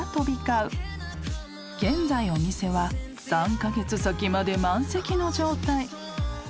［現在お店は３カ月先まで満席の状態］